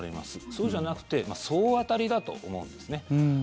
そうじゃなくて総当たりだと思うんですね。